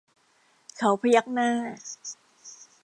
เขาพยักหน้า